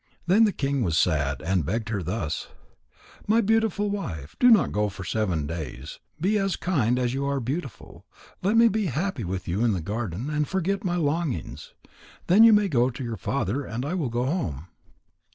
Then the king was sad, and he begged her thus: "My beautiful wife, do not go for seven days. Be as kind as you are beautiful. Let me be happy with you in the garden, and forget my longings. Then you may go to your father, and I will go home."